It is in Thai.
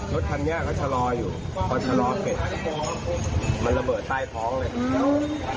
รถทันเนี้ยเขาชะลอยอยู่เขาชะลอเก็บมันระเบิดใต้พ้องเลย